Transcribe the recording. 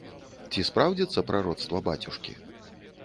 Ці спраўдзіцца прароцтва бацюшкі?